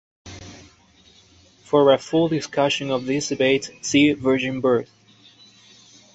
For a full discussion of this debate see Virgin Birth.